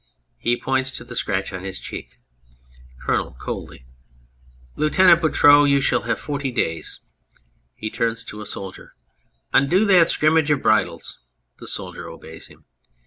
(He points to the scratch on his cheek.) COLONEL (coldly). Lieutenant Boutroux, you shall have forty days. (He turns to a soldier.) Undo that scrimmage of bridles. (The soldier obeys him.